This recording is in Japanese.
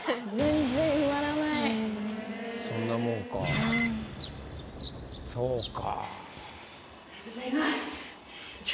そんなもんかそうか。